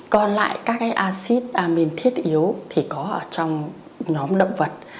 còn lại các acid amine thiết yếu thì có trong nhóm động vật